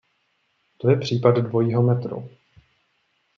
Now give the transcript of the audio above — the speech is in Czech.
To je případ dvojího metru.